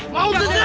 mau lagi apa enggak